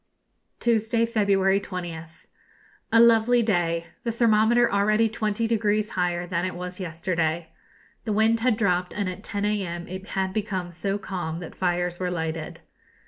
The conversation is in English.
Tuesday, February 20th. A lovely day; the thermometer already twenty degrees higher than it was yesterday. The wind had dropped, and at 10 a.m. it had become so calm that fires were lighted.